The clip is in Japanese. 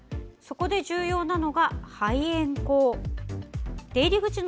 そこで重要なのが、排煙口。